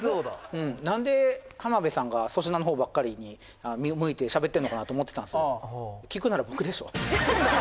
うんなんで浜辺さんが粗品の方ばっかりに向いてしゃべってんのかなと思ってたんですよ